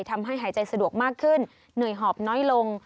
ทำให้หายใจสะดวกมากขึ้นเหนื่อยหอบน้อยลง